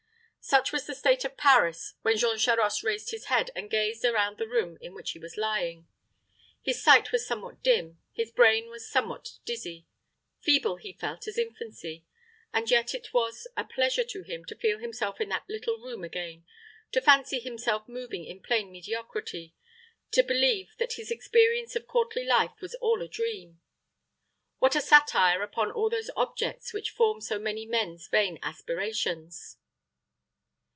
Such was the state of Paris when Jean Charost raised his head, and gazed around the room in which he was lying. His sight was somewhat dim, his brain was somewhat dizzy; feeble he felt as infancy; but yet it was a pleasure to him to feel himself in that little room again, to fancy himself moving in plain mediocrity, to believe that his experience of courtly life was all a dream. What a satire upon all those objects which form so many men's vain aspirations!